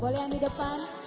boleh yang di depan